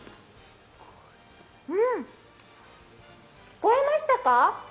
聞こえましたか？